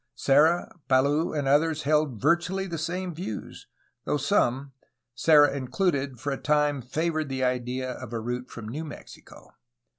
Serra, Palou, and others held virtually the same views, though some, Serra included, for a time favored the idea of a route from New Mexico.